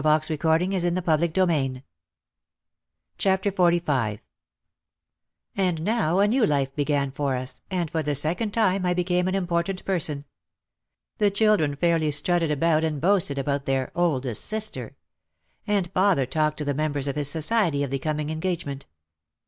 I had been nothing but a sorrow so long. PART FOUR PART FOUR XLV And now a new life began for us, and for the second time I became an important person. The children fairly strutted about and boasted about their "oldest sister." And father talked to the members of his society of the coming engagement.